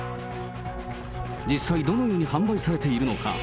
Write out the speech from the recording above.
実際、どのように販売されているのか。